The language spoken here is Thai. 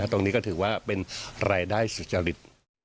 ตรงนี้ก็ถือว่าเป็นรายได้สุจริต